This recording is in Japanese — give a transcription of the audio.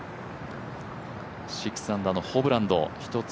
６アンダーのホブランド、１つ